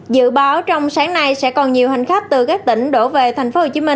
dự báo trong sáng nay sẽ còn nhiều hành khách từ các tỉnh đổ về tp hcm